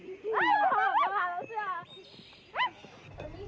ah nggak masalah